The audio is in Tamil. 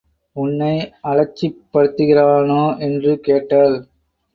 உன்னை அலட்சிப் படுத்துகிறேனா? என்று கேட்டாள்.